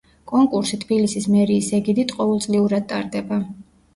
კონკურსი თბილისის მერიის ეგიდით ყოველწლიურად ტარდება.